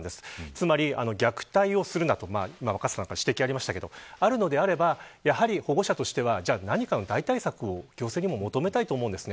つまり虐待をするな、と若狭さんから指摘がありましたが保護者としては何かの代替策を行政に求めたいと思うんです。